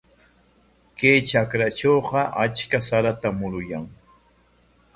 Kay markatrawqa achka saratam muruyan.